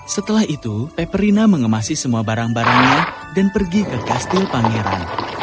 setelah itu peperina mengemasi semua barang barangnya dan pergi ke kastil pangeran